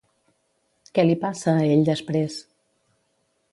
Què li passa a ell després?